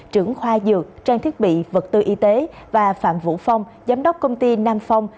trưởng khoa dược trang thiết bị vật tư y tế và phạm vũ phong giám đốc công ty nam phong